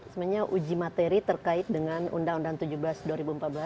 sebenarnya uji materi terkait dengan undang undang tujuh belas dua ribu empat belas